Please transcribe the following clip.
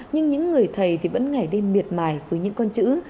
nhưng những người thầy vẫn ngày đêm miệt mải với những con chữ